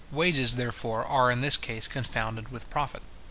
Wages, therefore, are in this case confounded with profit.